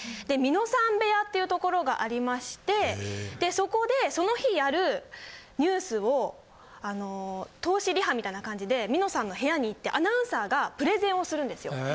でみのさん部屋っていうところがありましてそこでその日やるニュースを通しリハみたいな感じでみのさんの部屋に行ってアナウンサーがプレゼンをするんですよ。